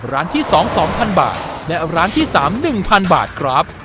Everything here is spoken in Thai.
ร้านที่สองสองพันบาทและร้านที่สามหนึ่งพันบาทครับ